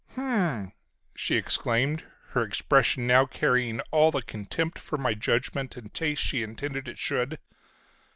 "Hm m!" she exclaimed, her expression now carrying all the contempt for my judgment and taste she intended it should.